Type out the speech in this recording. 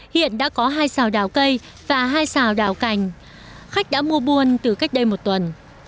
hiện đã có hai xào đào cây và hai xào đạo cành khách đã mua buôn từ cách đây một tuần